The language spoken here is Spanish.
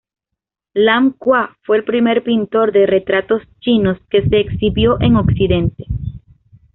Lam Qua fue el primer pintor de retratos chino que se exhibió en Occidente.